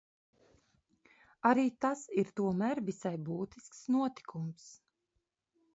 Arī tas ir tomēr visai būtisks notikums.